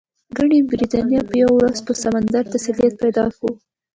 ګنې برېټانیا به یوه ورځ پر سمندر تسلط پیدا کوي.